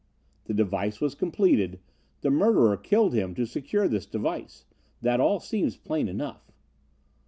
The device was completed. The murderer killed him to secure his device. That all seems plain enough."